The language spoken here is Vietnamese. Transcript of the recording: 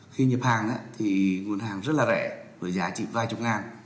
khi nhập hàng thì nguồn hàng rất là rẻ với giá trị vài chục ngàn